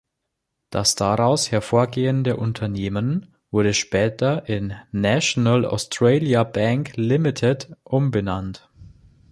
Das daraus hervorgehende Unternehmen wurde später in National Australia Bank Limited umbenannt.